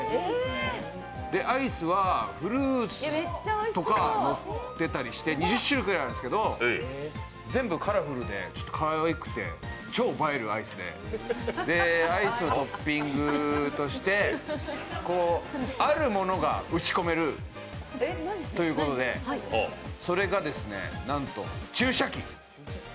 アイスはフルーツとかのってたりして２０種類くらいあるんですけど全部カラフルでかわいくて、超映えるアイスで、アイスのトッピングとして、あるものが打ち込めるということでそれが、なんと注射器！